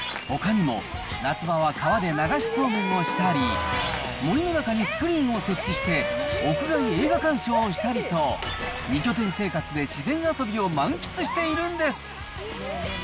ほかにも、夏場は川で流しそうめんをしたり、森の中にスクリーンを設置して、屋外映画鑑賞をしたりと、２拠点生活で自然遊びを満喫しているんです。